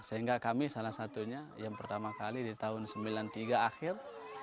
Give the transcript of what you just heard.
sehingga kami salah satunya yang pertama kali di tahun seribu sembilan ratus sembilan puluh tiga akhir